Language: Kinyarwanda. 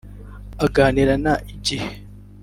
Aganira na Igihe